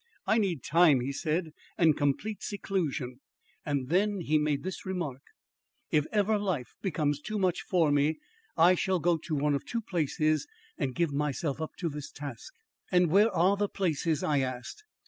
'I need time,' he said, 'and complete seclusion.' And then he made this remark: 'If ever life becomes too much for me, I shall go to one of two places and give myself up to this task.' 'And what are the places?' I asked.